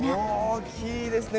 大きいですね。